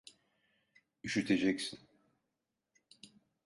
Üşüteceksin.